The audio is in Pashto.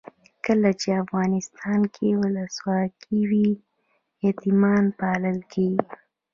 کله چې افغانستان کې ولسواکي وي یتیمان پالل کیږي.